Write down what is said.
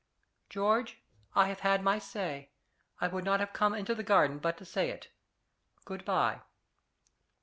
George, I have said my say. I would not have come into the garden but to say it. Good bye."